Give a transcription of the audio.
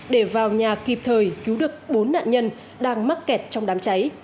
để vào nhà kịp thời cứu được bốn nạn nhân đang mắc kẹt trong đám cháy